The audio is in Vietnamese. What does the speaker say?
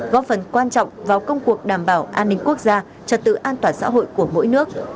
góp phần quan trọng vào công cuộc đảm bảo an ninh quốc gia trật tự an toàn xã hội của mỗi nước